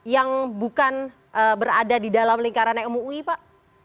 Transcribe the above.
yang bukan berada di dalam lingkaran mui pak